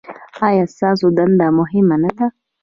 ایا ستاسو دنده مهمه نه ده؟